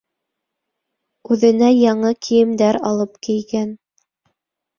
Үҙенә яңы кейемдәр алып кейгән.